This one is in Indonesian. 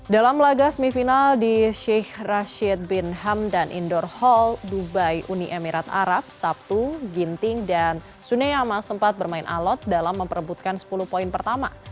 dalam laga semifinal di sheikh rashid bin hamdan indoor hall dubai uni emirat arab sabtu ginting dan suneyama sempat bermain alot dalam memperebutkan sepuluh poin pertama